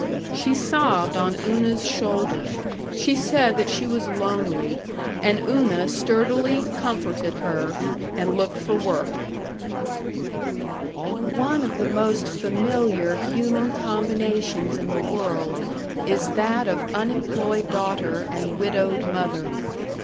She sobbed on Una's shoulder; she said that she was lonely; and Una sturdily comforted her and looked for work. One of the most familiar human combinations in the world is that of unemployed daughter and widowed mother.